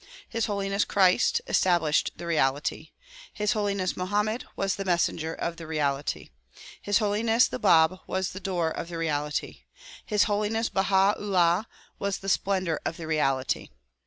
His Holiness Christ established the reality. His Holiness Mohammed was the messenger of the reality. His Holiness the Bab was the door of the reality. His Holiness Baha 'Ullah was the splendor of the reality.